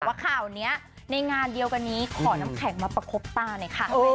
ว่าข่าวนี้ในงานเดียวกันนี้ขอน้ำแข็งมาประคบตาหน่อยค่ะ